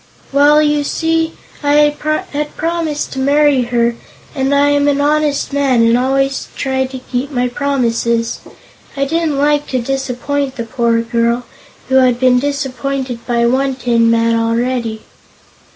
"Well, you see I had promised to marry her, and I am an honest man and always try to keep my promises. I didn't like to disappoint the poor girl, who had been disappointed by one tin man already."